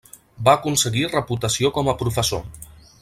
Va aconseguir reputació com a professor.